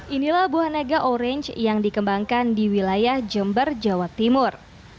inilah buah naga orange yang dikembangkan di wilayah jember jawa timur